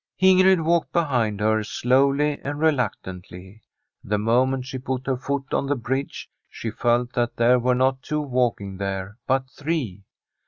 Ingrid walked behind her, slowly and re luctantly. The moment she put her foot on the bridgfc she felt that there were not two walking there, but three.